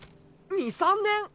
２３年！？